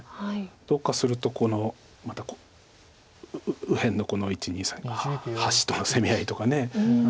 どうかするとこのまた右辺の１２３８子との攻め合いとか。